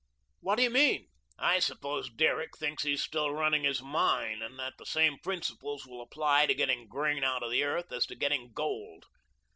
"What do you mean?" "I suppose Derrick thinks he's still running his mine, and that the same principles will apply to getting grain out of the earth as to getting gold.